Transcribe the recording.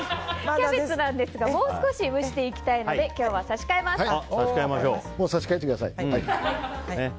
キャベツなんですがもう少し蒸していきたいので差し替えましょう。